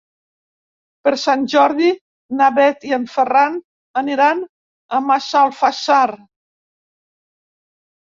Per Sant Jordi na Bet i en Ferran aniran a Massalfassar.